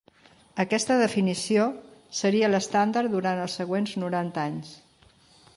Aquesta definició seria l'estàndard durant els següents noranta anys.